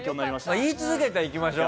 言い続けていきましょう。